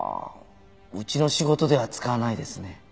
うちの仕事では使わないですね。